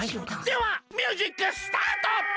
ではミュージックスタート！